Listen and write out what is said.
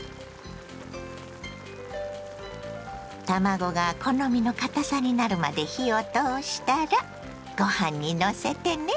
卵が好みの堅さになるまで火を通したらごはんにのせてね。